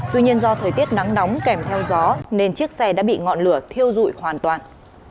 tuy nhiên do thời tiết nắng nóng kèm theo gió nên chiếc xe đã bị ngọn lửa thiêu dụi hoàn toàn